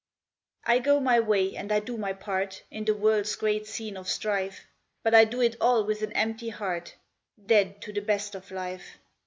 I go my way and I do my part In the world's great scene of strife, But I do it all with an empty heart, Dead to the best of life.